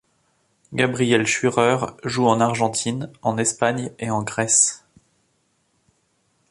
Gabriel Schürrer joue en Argentine, en Espagne et en Grèce.